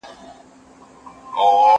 ايا ته مځکي ته ګورې!.